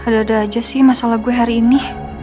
ada aja sih masalah gue hari ini